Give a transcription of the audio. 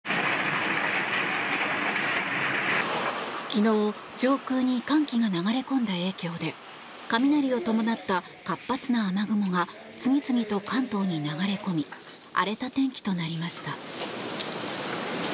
昨日、上空に寒気が流れ込んだ影響で雷を伴った活発な雨雲が次々に関東に流れ込み荒れた天気となりました。